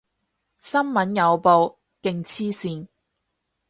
新聞有報，勁黐線